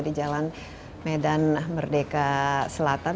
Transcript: di jalan medan merdeka selatan